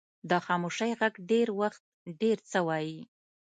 د خاموشۍ ږغ ډېر وخت ډیر څه وایي.